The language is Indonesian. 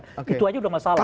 itu aja udah masalah